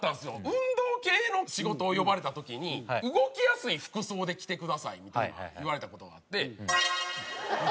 運動系の仕事呼ばれた時に「動きやすい服装で来てください」みたいな言われた事があって。